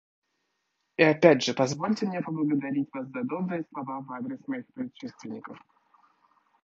И опять же позвольте мне поблагодарить вас за добрые слова в адрес моих предшественников.